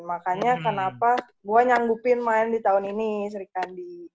makanya kenapa gue nyanggupin main di tahun ini sri kandi